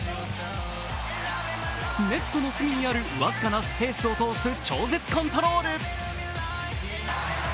ネットの隅にある僅かなスペースを通す超絶コントロール。